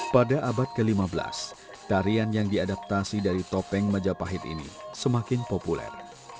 pada abad ke lima belas tarian yang diadaptasi dari topeng majapahit ini semakin populer